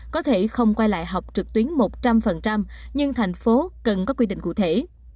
có thể không quay lại học trực tuyến một trăm linh nhưng thành phố cần có quy định cụ thể